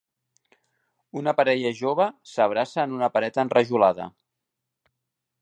Una parella jove s'abraça en una pared enrajolada.